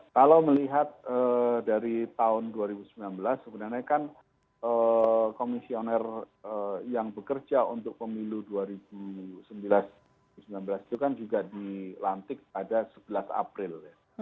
kalau melihat dari tahun dua ribu sembilan belas sebenarnya kan komisioner yang bekerja untuk pemilu dua ribu sembilan belas itu kan juga dilantik pada sebelas april